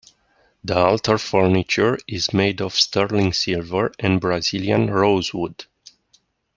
The altar furniture is made of sterling silver and Brazilian rosewood.